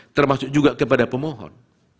termasuk juga kepada pemohon